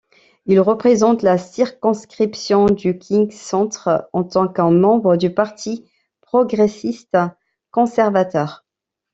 Il représente la circonscription du Kings-Centre en tant qu'un membre du Parti progressiste-conservateur.